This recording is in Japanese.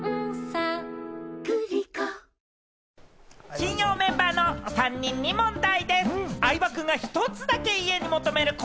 金曜メンバーの３人に問題です。